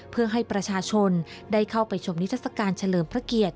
เพื่อให้ประชาชนได้เข้าไปชมนิทัศกาลเฉลิมพระเกียรติ